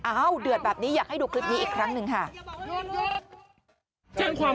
เดือดแบบนี้อยากให้ดูคลิปนี้อีกครั้งหนึ่งค่ะ